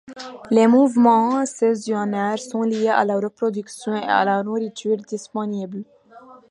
Les mouvements saisonniers sont liés à la reproduction et à la nourriture disponible.